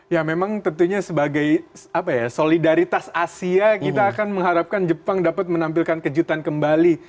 ya memang tentunya sebagai solidaritas asia kita akan mengharapkan jepang dapat menampilkan kejutan kembali